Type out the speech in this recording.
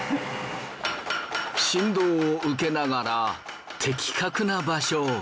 振動を受けながら的確な場所を。